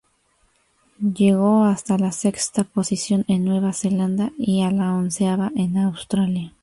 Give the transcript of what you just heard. Llegó hasta la sexta posición en Nueva Zelanda y a la onceava en Australia.